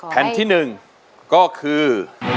แผ่นที่๑ก็คือ